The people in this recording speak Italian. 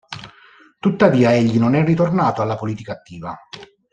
Tuttavia, egli non è ritornato alla politica attiva.